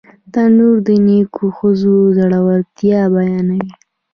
تنور د نیکو ښځو زړورتیا بیانوي